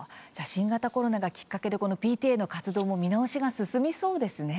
新型コロナがきっかけでＰＴＡの活動も見直しが進みそうですね。